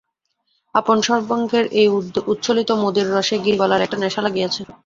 আপন সর্বাঙ্গের এই উচ্ছলিত মদির রসে গিরিবালার একটা নেশা লাগিয়াছে।